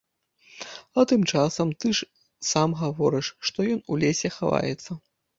А тым часам, ты ж сам гаворыш, што ён у лесе хаваецца!